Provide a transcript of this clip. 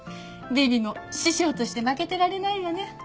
ビビも師匠として負けてられないわね。